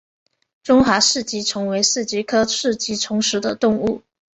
中华四极虫为四极科四极虫属的动物。